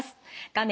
画面